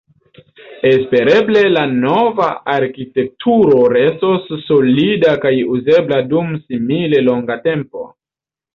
Espereble la nova arkitekturo restos solida kaj uzebla dum simile longa tempo.